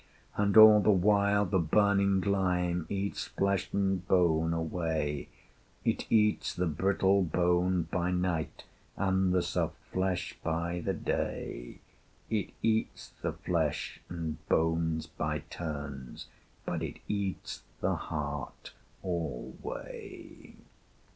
And all the while the burning lime Eats flesh and bone away, It eats the brittle bone by night, And the soft flesh by the day, It eats the flesh and bones by turns, But it eats the heart alway.